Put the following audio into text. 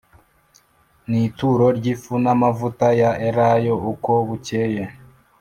nituro ryifu namavuta ya elayo uko bukeye